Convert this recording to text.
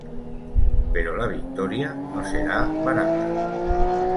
Pero la victoria no será barata.